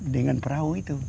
dengan perahu itu